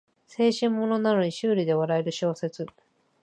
青春ものなのにシュールで笑える小説